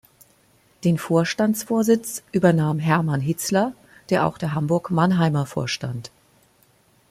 Den Vorstandsvorsitz übernahm Hermann Hitzler, der auch der Hamburg-Mannheimer vorstand.